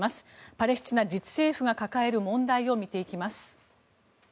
パレスチナ自治政府が抱える問題を見ていきます。